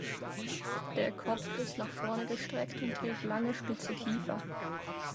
Der Kopf ist nach vorne gestreckt und trägt lange spitze Kiefer.